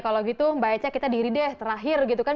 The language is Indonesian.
kalau gitu mbak eca kita diri deh terakhir gitu kan